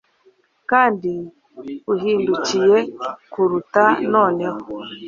Kandi uhindukiye kurukuta noneho